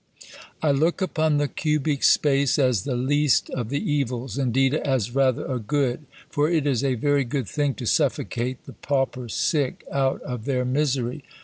"I look upon the cubic space as the least of the evils indeed as rather a good, for it is a very good thing to suffocate the pauper sick out of their misery."